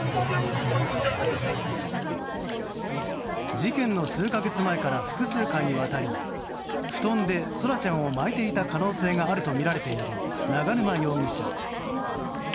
事件の数か月前から複数回にわたり布団で奏良ちゃんを巻いていた可能性があるとみられている永沼容疑者。